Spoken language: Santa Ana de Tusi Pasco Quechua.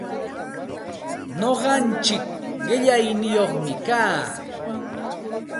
Nuqaichik qillaniyuqmi kaa.